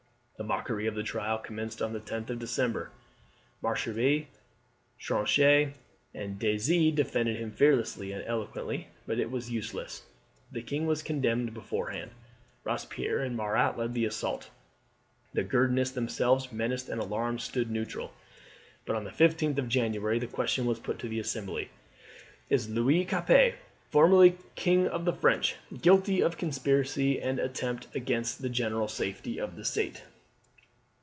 The mockery of the trial commenced on the 10th of December. Malesherbes, Tronchet, and Deseze defended him fearlessly and eloquently, but it was useless the king was condemned beforehand. Robespierre and Marat led the assault. The Girondists, themselves menaced and alarmed, stood neutral; but on the 15th of January the question was put to the Assembly, "Is Louis Capet, formerly King of the French, guilty of conspiracy and attempt against the general safety of the state?"